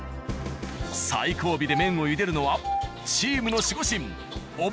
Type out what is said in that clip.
最後尾で麺をゆでるのはチームの守護神なるほど。